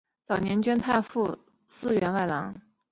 早年捐太仆寺员外郎。